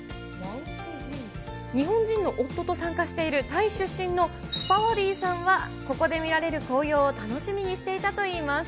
日本人の夫と参加している、タイ出身のスパワディーさんは、ここで見られる紅葉を楽しみにしていたといいます。